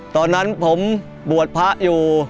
ตอนนั้นผมบวชพระอยู่